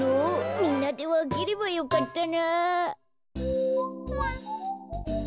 みんなでわければよかったな。